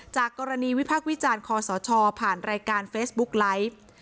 จากกรณีวิพักษ์วิจารณ์คอสชผ่านรายการเฟซบุ๊กไลฟ์